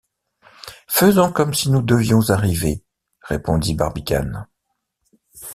Faisons comme si nous devions arriver, répondit Barbicane.